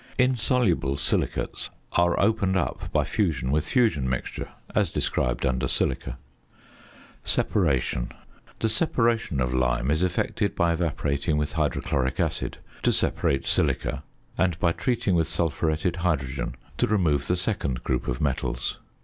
Insoluble silicates are opened up by fusion with "fusion mixture," as described under Silica. ~Separation.~ The separation of lime is effected by evaporating with hydrochloric acid, to separate silica; and by treating with sulphuretted hydrogen, to remove the second group of metals.